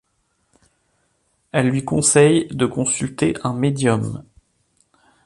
Elles lui conseillent de consulter un medium.